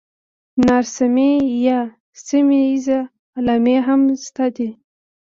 نارسمي یا سیمه ییزې علامې هم شته دي.